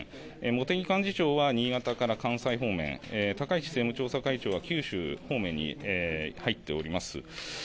茂木幹事長は新潟から関西方面、高市政務調査会長は九州方面に入っております。